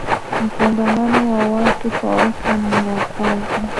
Msongamano wa watu kwa wastani ni wakazi